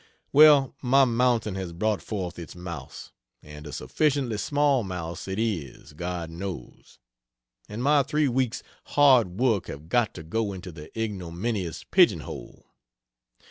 Well, my mountain has brought forth its mouse, and a sufficiently small mouse it is, God knows. And my three weeks' hard work have got to go into the ignominious pigeon hole.